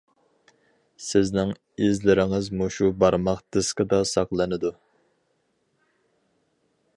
سىزنىڭ ئىزلىرىڭىز مۇشۇ بارماق دىسكىدا ساقلىنىدۇ.